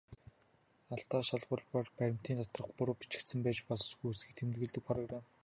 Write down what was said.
Алдаа шалгуур бол баримтын доторх буруу бичигдсэн байж болзошгүй үгсийг тэмдэглэдэг программ.